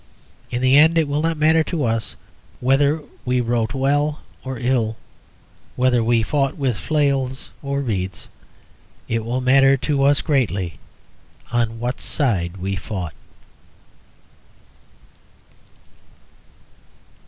In the end it will not matter to us whether we wrote well or ill; whether we fought with flails or reeds. It will matter to us greatly on what side we fought.